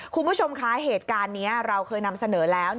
คุณผู้ชมคะเหตุการณ์นี้เราเคยนำเสนอแล้ว